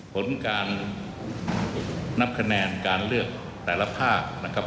ผลการนับคะแนนการเลือกแต่ละภาคนะครับ